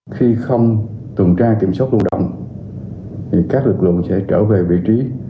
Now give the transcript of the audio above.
khi không tuần tra kiểm soát lưu động thì các lực lượng sẽ trở về vị trí